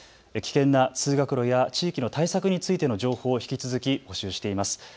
危険な通学路や地域の対策についての情報を引き続き募集しています。